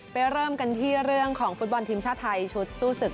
เริ่มกันที่เรื่องของฟุตบอลทีมชาติไทยชุดสู้ศึก